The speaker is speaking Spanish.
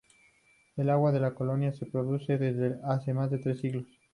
El Agua de Colonia se produce desde hace más de tres siglos.